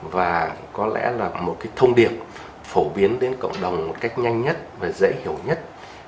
và có lẽ là một cái thông điệp phổ biến đến cộng đồng một cách nhanh nhất và dễ hiểu nhất